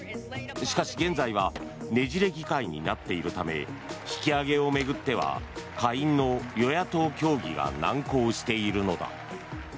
しかし、現在はねじれ議会になっているため引き上げを巡っては、下院の与野党協議が難航しているのだ。